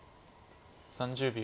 ３０秒。